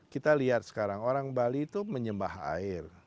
kita lihat sekarang orang bali itu menyembah air